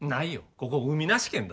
ここ海なし県だぜ。